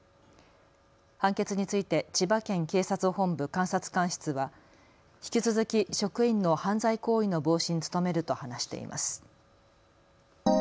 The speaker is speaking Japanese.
判決について千葉県警察本部監察官室は引き続き職員の犯罪行為の防止に努めると話しています。